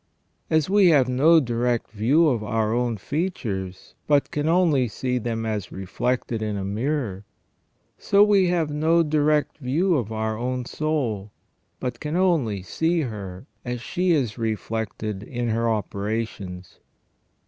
As we have no direct view of our own features, but can only see them as reflected in a mirror, so we have no direct view of our own soul, but can only see her as she is reflected in her operations.